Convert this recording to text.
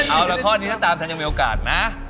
เอาละข้อนี้ถ้าตามทันยังมีโอกาสนะ